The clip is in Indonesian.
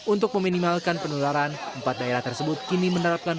untuk meminimalkan penularan empat daerah tersebut kini menerapkan